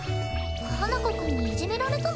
花子くんにいじめられたの？